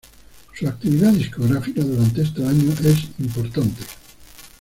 Su actividad discográfica durante estos años es importante.